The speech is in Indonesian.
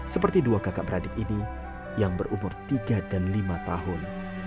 seperti dua kakak beradik ini yang berumur tiga dan lima tahun